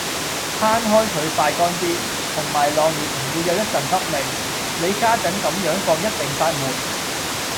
攤開佢快乾啲，同埋晾完唔會有一陣噏味，你家陣咁樣放一定發霉